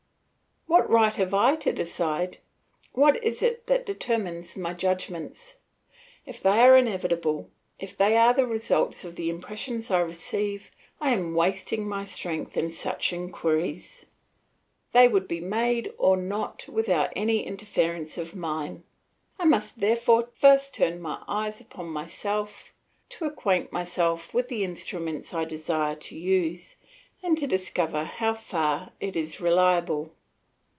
What right have I to decide? What is it that determines my judgments? If they are inevitable, if they are the results of the impressions I receive, I am wasting my strength in such inquiries; they would be made or not without any interference of mine. I must therefore first turn my eyes upon myself to acquaint myself with the instrument I desire to use, and to discover how far it is reliable.